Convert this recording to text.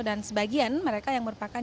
dan sebagian mereka yang merupakan